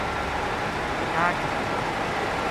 بچا چھُریو